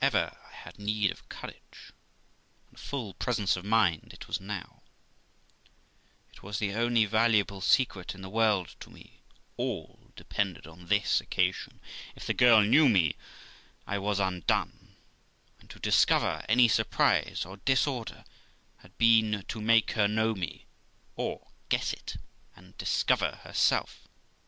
If ever I had need of courage, aud a full presence of mind, it was now ; it was the only valuable secret in the world to me, all depended upon this occasion; if the girl knew me, I was undone; and to discover any surprise or disorder had been to make her know me, or guess it, and discover herself.